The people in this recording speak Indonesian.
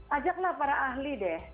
ajaklah para ahli deh